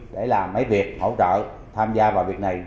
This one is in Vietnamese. để làm mấy việc hỗ trợ tham gia vào việc này